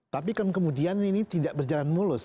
tapi kan kemudian ini tidak berjalan mulus